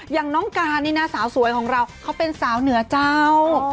อย่างน้องการนี่นะสาวสวยของเราเขาเป็นสาวเหนือเจ้า